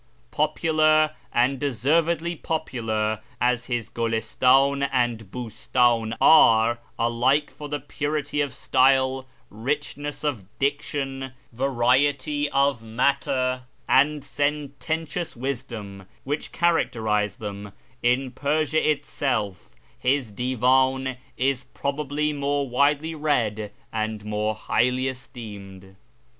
Popular — and deservedly popular — as his Gulistdn and Biistdn are, alike for the purity of style, richness of diction, variety of matter, and sententious wisdom which characterise them, in Persia itself his Divan is probably more widely read and more highly esteemed.